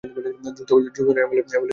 যুক্তফ্রন্টের MLA ছিলেন তিনি।